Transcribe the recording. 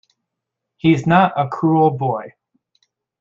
He's not a cruel boy.